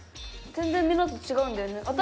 全然みんなと違うんだよね。